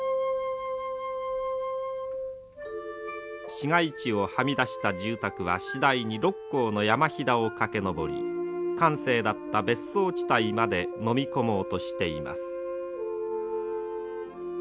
市街地をはみ出した住宅は次第に六甲の山ひだを駆け上り閑静だった別荘地帯まで飲み込もうとしています。